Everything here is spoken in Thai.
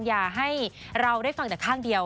อย่าให้เราได้ฟังแต่ข้างเดียว